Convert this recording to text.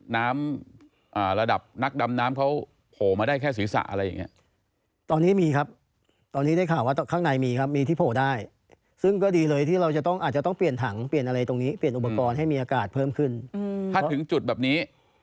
น้ำระดับนักดำน้ำเขาโผล่มาได้แค่ศีรษะอะไรอย่างนี้